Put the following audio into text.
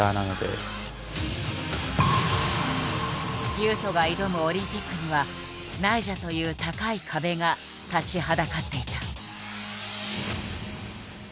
雄斗が挑むオリンピックにはナイジャという高い壁が立ちはだかっていた。